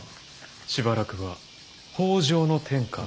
しばらくは北条の天下。